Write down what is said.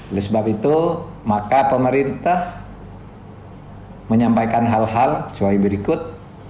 oleh sebab itu maka pemerintah menyampaikan hal hal sesuai berikut